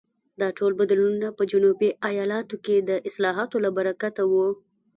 دا ټول بدلونونه په جنوبي ایالتونو کې د اصلاحاتو له برکته وو.